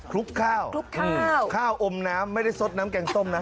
ลุกข้าวคลุกข้าวข้าวอมน้ำไม่ได้สดน้ำแกงส้มนะ